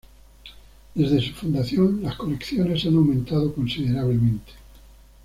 Desde su fundación, las colecciones han aumentado considerablemente.